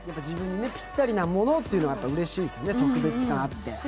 自分にぴったりなものというのはうれしいですね、特別感あって。